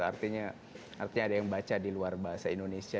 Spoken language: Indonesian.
artinya ada yang baca di luar bahasa indonesia